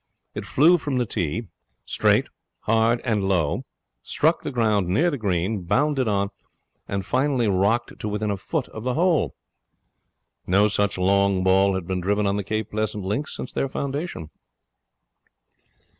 It flew from the tee, straight, hard, and low, struck the ground near the green, bounded on and finally rocked to within a foot of the hole. No such long ball had been driven on the Cape Pleasant links since their foundation.